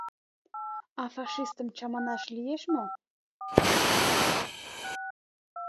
А фашистым чаманаш лиеш мо?